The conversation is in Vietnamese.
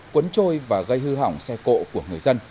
cuốn trôi và gây hư hỏng xe cộ của người dân